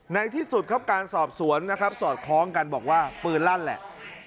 ในที่สุดครับการสอบสวนนะครับสอดคล้องกันบอกว่าปืนลั่นแหละ